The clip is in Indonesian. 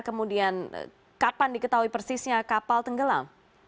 kemudian kapan diketahui persisnya kapal tenggelam